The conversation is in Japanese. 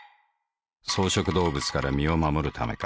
草食動物から身を護るためか。